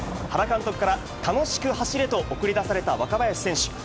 原監督から、楽しく走れと送り出された若林選手。